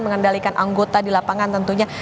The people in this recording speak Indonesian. mengendalikan anggota di lapangan tentunya